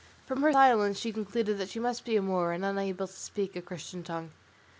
From her silence they concluded that she must be a Moor and unable to speak a Christian tongue.